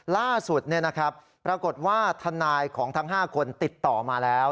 ล่าสุดปรากฏว่าทนายของทั้ง๕คนติดต่อมาแล้ว